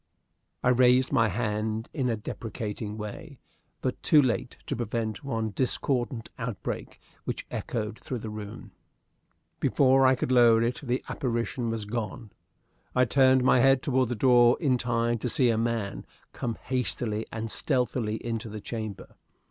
I raised my hand in a deprecating way, but too late to prevent one discordant outbreak which echoed through the room. Before I could lower it the apparition was gone. I turned my head toward the door in time to see a man come hastily and stealthily into the chamber.